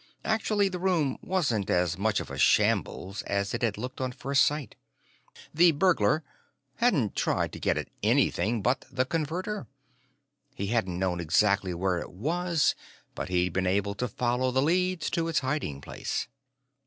Actually, the room wasn't as much of a shambles as it had looked on first sight. The burglar? hadn't tried to get at anything but the Converter. He hadn't known exactly where it was, but he'd been able to follow the leads to its hiding place.